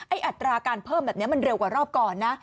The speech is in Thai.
อัตราการเพิ่มแบบนี้มันเร็วกว่ารอบก่อนนะ